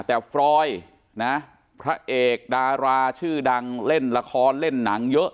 แต่ฟรอยนะพระเอกดาราชื่อดังเล่นละครเล่นหนังเยอะ